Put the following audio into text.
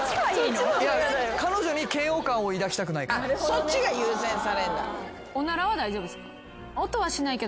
そっちが優先されんだ。